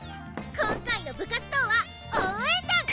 今回の部活動は応援団！